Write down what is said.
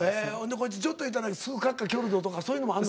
こいつちょっと言うたらすぐカッカきよるぞとかそういうのもあんの？